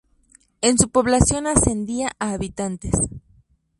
En su población ascendía a habitantes.